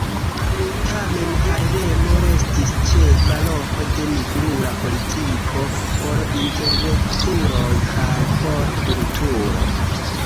Tamen Harlemo restis ĉefa loko de nigrula politiko, por intelektuloj kaj por kulturo.